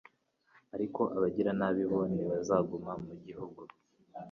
ariko abagiranabi bo ntibazaguma mu gihugu